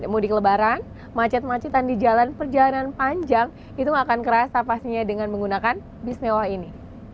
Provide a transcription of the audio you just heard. mudik lebaran macet macetan di jalan perjalanan panjang itu akan kerasa pastinya dengan menggunakan bis mewah ini